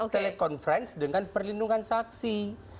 telekonferensi dengan perlindungan saksi